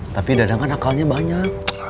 tapi enggak makanya banyak